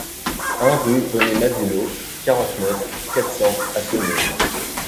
un rue René Mabileau, quarante-neuf, quatre cents à Saumur